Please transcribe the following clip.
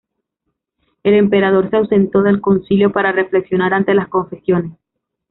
El emperador se ausentó del concilio para reflexionar ante las confesiones.